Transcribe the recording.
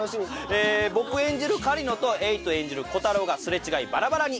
僕演じる狩野と瑛都演じるコタローがすれ違いバラバラに。